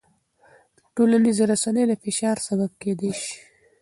ټولنیزې رسنۍ د فشار سبب کېدای شي.